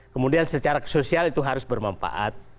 kemudian secara sosial itu harus bermanfaat